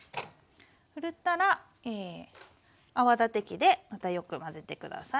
ふるったら泡立て器でまたよく混ぜて下さい。